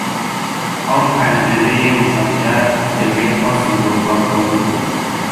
آن پنجره مشجر، جلوهٔ خاصی به اتاق داده بود